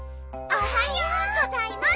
おはようございます。